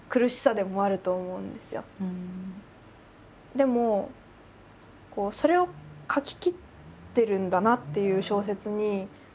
でもそれを書ききってるんだなっていう小説に触れたときに。